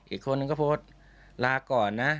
อีกคนนึงก็โพสต์ลาก่อนนะ